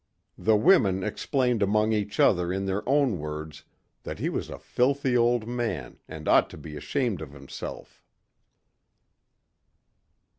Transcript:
The women explained among each other in their own words that he was a filthy old man and ought to be ashamed of himself.